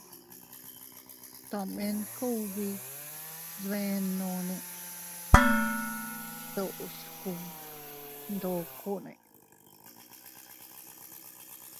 Tomen kugbi dbenonne deʼes kugbi ndokonne.